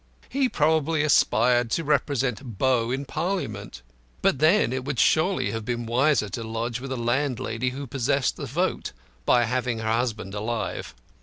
He probably aspired to represent Bow in Parliament; but then it would surely have been wiser to lodge with a landlady who possessed a vote by having a husband alive.